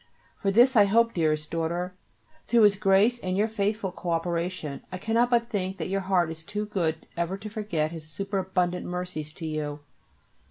For this I hope, dearest daughter, through His grace and your faithful co operation. I cannot but think that your heart is too good ever to forget His superabundant mercies to you.